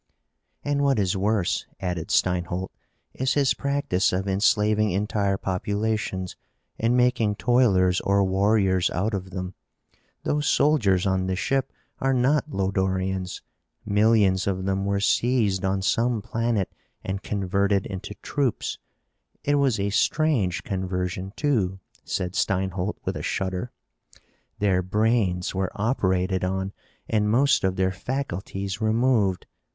"And what is worse," added Steinholt, "is his practice of enslaving entire populations and making toilers or warriors out of them. Those soldiers on the ship are not Lodorians. Millions of them were seized on some planet and converted into troops. It was a strange conversion, too," said Steinholt with a shudder. "Their brains were operated on and most of their faculties removed.